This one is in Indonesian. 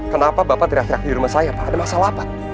kenapa bapak tidak teriak di rumah saya pak ada masalah apa